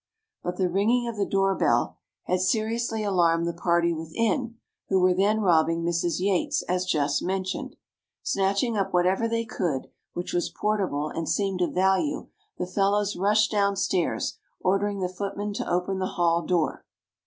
But the ringing of the door bell had seriously alarmed the party within, who were then robbing Mrs. Yates, as just mentioned. Snatching up whatever they could, which was portable and seemed of value, the fellows rushed down stairs, ordering the footman to open the hall door.